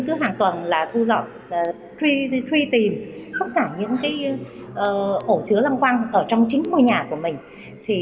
cứ hàng tuần thu dọn truy tìm tất cả những ổ chứa lâm quang ở trong chính môi nhà của mình